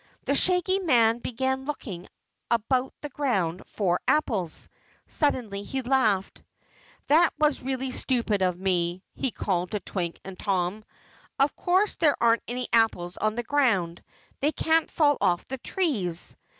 The Shaggy Man began looking about the ground for apples. Suddenly he laughed. "That was really stupid of me," he called to Twink and Tom. "Of course there aren't any apples on the ground. They can't fall off the trees!"